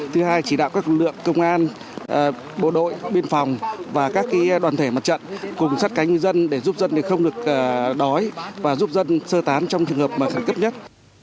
thứ hai chỉ đạo các lực lượng công an bộ đội biên phòng và các đoàn thể mặt trận cùng sát cánh dân để giúp dân không được đói và giúp dân sơ tán trong trường hợp khẩn cấp nhất